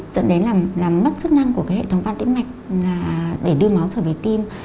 dẫn đến làm mất chức năng của hệ thống văn tĩnh mạch để đưa máu trở về tim